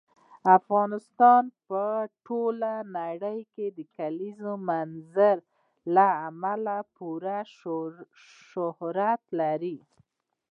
افغانستان په ټوله نړۍ کې د کلیزو منظره له امله پوره شهرت لري.